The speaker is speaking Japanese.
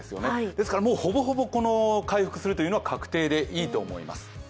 ですからほぼほぼ回復するのは確定でいいと思います。